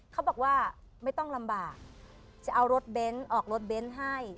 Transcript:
เขาบอกว่าไม่ต้องลำบากจะเอารถเบนท์ออกรถเบนท์ให้